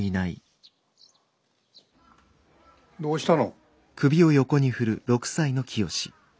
どうしたの？